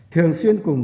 thường xuyên cùng